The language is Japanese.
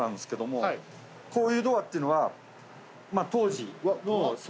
こういうドアっていうのは。